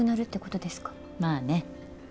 まあね。